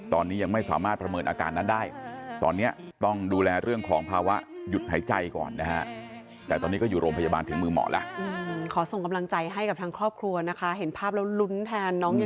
ตอนนี้ยังไม่สามารถประเมินอาการนั้นได้ตอนนี้ต้องดูแลเรื่องของภาวะหยุดหายใจก่อนนะฮะ